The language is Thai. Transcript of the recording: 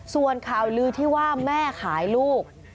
ส่วนข่าวลือที่ว่าแม่ขายลูก